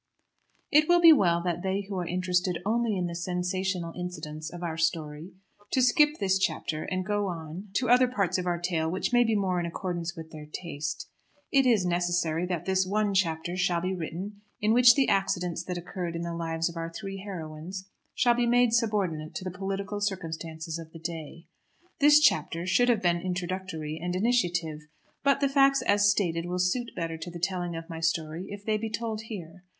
It will be well that they who are interested only in the sensational incidents of our story to skip this chapter and go on to other parts of our tale which may be more in accordance with their taste. It is necessary that this one chapter shall be written in which the accidents that occurred in the lives of our three heroines shall be made subordinate to the political circumstances of the day. This chapter should have been introductory and initiative; but the facts as stated will suit better to the telling of my story if they be told here.